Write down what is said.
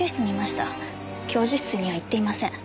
教授室には行っていません。